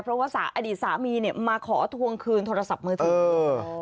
เพราะว่าอดีตสามีเนี่ยมาขอทวงคืนโทรศัพท์มือถือ